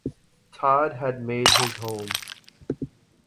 Tod had made his home.